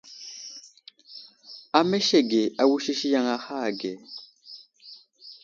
Amesege awusisi yaŋ ahe ge.